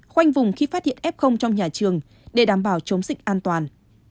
khoanh vùng khi phát hiện f trong nhà trường để đảm bảo chống dịch an toàn